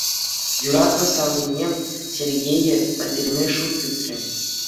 Юратнӑ савнине, Сергее, пӗлтерме шут тытрӗ.